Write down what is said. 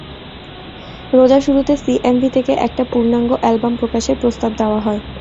রোজার শুরুতে সিএমভি থেকে একটি পূর্ণাঙ্গ অ্যালবাম প্রকাশের প্রস্তাব দেওয়া হয়।